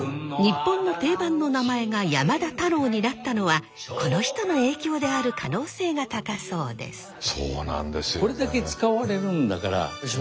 日本の定番の名前が山田太郎になったのはこの人の影響である可能性が高そうです。